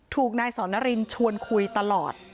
ถูกนายสอนรินชวนคุยตลอด